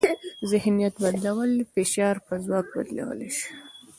ذهنیت بدلول فشار په ځواک بدلولی شي.